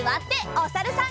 おさるさん。